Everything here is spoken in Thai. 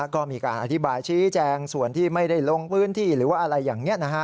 ก็มีการอธิบายชี้แจงส่วนที่ไม่ได้ลงพื้นที่หรือว่าอะไรอย่างนี้